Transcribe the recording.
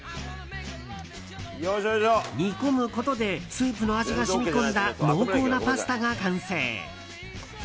煮込むことでスープの味が染み込んだ濃厚なパスタが完成。